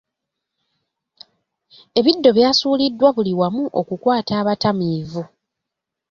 Ebiddo by’asuuliddwa buli wamu okukwata abatamiivu.